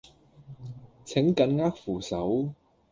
請緊握扶手